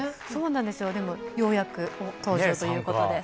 でも、ようやく登場ということで。